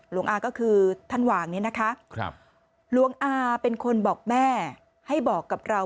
อาก็คือท่านหว่างเนี่ยนะคะหลวงอาเป็นคนบอกแม่ให้บอกกับเรา